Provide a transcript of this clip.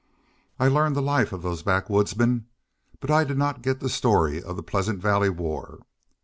I learned the life of those backwoodsmen, but I did not get the story of the Pleasant Valley War.